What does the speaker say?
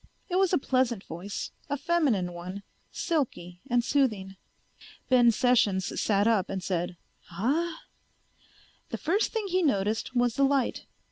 It was a pleasant voice, a feminine one, silky and soothing. Ben Sessions sat up and said, "Huh?" The first thing he noticed was the light.